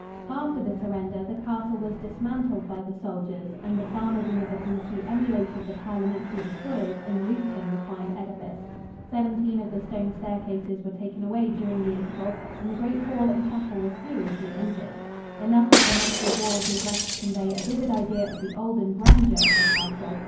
After the surrender the castle was dismantled by the soldiers, and the farmers in the vicinity emulated the Parliamentary destroyers in looting the fine edifice. Seventeen of the stone staircases were taken away during the interval and the great hall and chapel were seriously injured. Enough of the massive walls is left to convey a vivid idea of the olden grandeur of the castle.